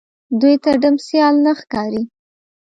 دوی ته ډم سيال نه ښکاري